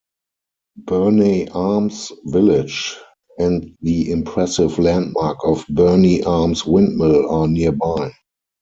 Berney Arms village and the impressive landmark of Berney Arms Windmill are nearby.